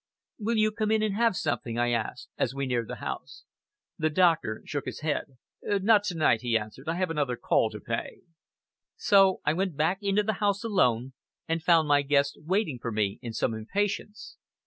"Will you come in and have something?" I asked, as we neared the house. The doctor shook his head. "Not to night," he answered; "I have another call to pay." So I went back into the house alone, and found my guest waiting for me in some impatience.